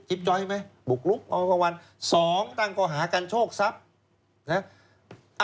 จิปจอยไหมบุกลุกสองตั้งก่อหาการโชคทรัพย์นะ